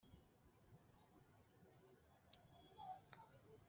Ingingo ya gatatu Uburenganzira ku kiruhuko